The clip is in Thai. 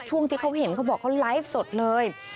ช่วงที่เขาเห็นเขาบอกเขาไลฟ์สดเลย